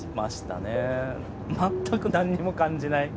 全く何にも感じない。